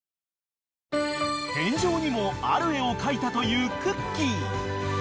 ［天井にもある絵を描いたというくっきー！］